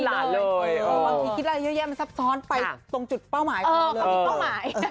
บางทีคิดอะไรเยอะแยะมันซับซ้อนไปตรงจุดเป้าหมายพ่อเขามีเป้าหมาย